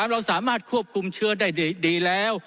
เราสามารถควบคุมเชื้อได้ดีแล้ว